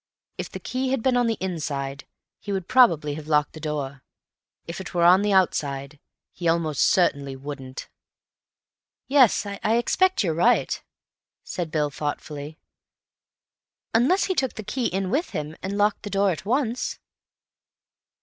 If the key had been on the inside, he would probably have locked the door. If it were on the outside, he almost certainly wouldn't." "Yes, I expect you're right," said Bill thoughtfully. "Unless he took the key in with him, and locked the door at once."